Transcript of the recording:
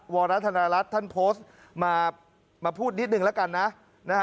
วรรฐรรณรัชท่านโพสต์มาพูดนิดหนึ่งแล้วกัน